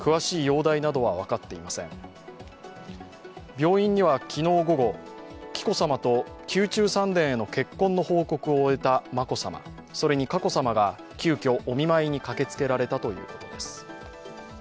病院には昨日午後、紀子さまと宮中三殿への結婚の報告を終えた眞子さま、それに佳子さまが急きょ、お見舞いに駆けつけられたということです。